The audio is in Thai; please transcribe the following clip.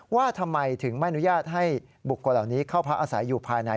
ว่าทำไมถึงไม่อนุญาตให้บุคคลเหล่านี้เข้าพักอาศัยอยู่ภายใน